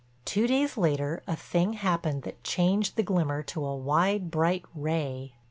Two days later a thing happened that changed the glimmer to a wide bright ray.